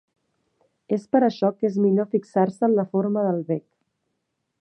És per això que és millor fixar-se en la forma del bec.